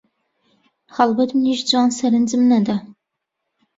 هەڵبەت منیش جوان سرنجم نەدا